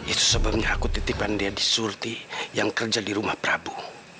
itu sebelumnya aku titipkan dia di surti yang kerja di rumah prabu